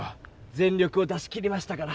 全力を出し切りましたから。